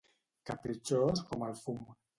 Capritxós com el fum.